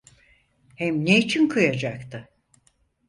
Hem ne için kıyacaktı?